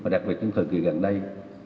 đặc biệt trong thời kỳ gần đây